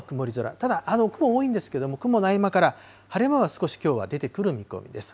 ただ、雲多いんですけども、雲の合間から、晴れ間は少しきょうは出てくる見込みです。